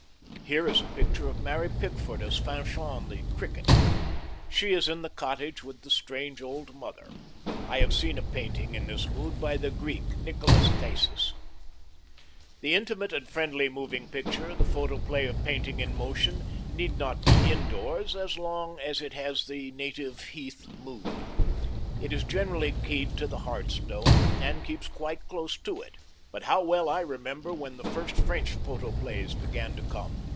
Here is a picture of Mary Pickford as Fanchon the Cricket. She is in the cottage with the strange old mother. I have seen a painting in this mood by the Greek Nickolas Gysis. The Intimate and friendly Moving Picture, the photoplay of painting in motion, need not be indoors as long as it has the native heath mood. It is generally keyed to the hearthstone, and keeps quite close to it. But how well I remember when the first French photoplays began to come.